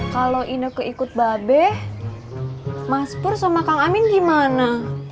kalau ineke ikut babeh mas pur sama kakak amin gimana